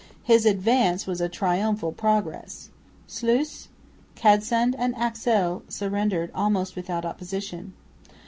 His advance was a triumphal progress. Sluis, Cadsand and Axel surrendered almost without opposition.